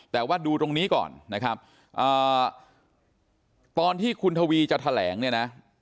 แต่ว่าดูตรงนี้ก่อนนะครับตอนที่คุณทวีจะแถลงเนี่ยนะ